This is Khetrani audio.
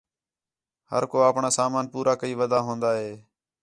ہر کُو آپݨاں سامان پورا کَئی وَدا ہون٘دا ہِے